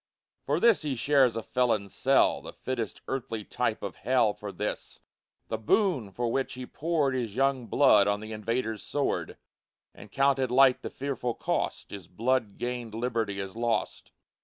For this he shares a felon's cell, The fittest earthly type of hell For this, the boon for which he poured His young blood on the invader's sword, And counted light the fearful cost; His blood gained liberty is lost!